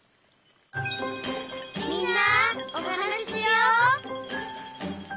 「みんなおはなししよう」